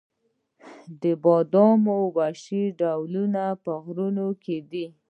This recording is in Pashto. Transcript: د بادامو وحشي ډولونه په غرونو کې دي؟